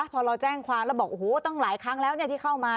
พอเราแจ้งความแล้วบอกโอ้โหตั้งหลายครั้งแล้วที่เข้ามา